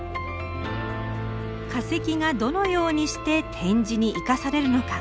化石がどのようにして展示に生かされるのか。